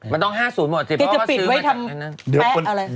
มันต้อง๕๐หมดจริงจะปิดไว้ทำแป๊ะอะไร